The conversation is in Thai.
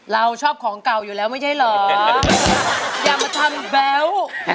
เราชอบของเก่าอยู่แล้วไม่ใช่เหรออย่ามาทำแบ๊ว